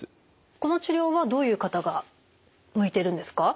この治療はどういう方が向いてるんですか？